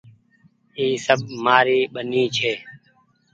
اي سب مآري ٻيني ڇي ۔